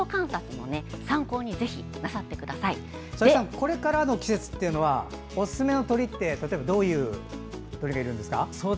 これからの季節おすすめの鳥としては例えば、どういう鳥がいるんですか。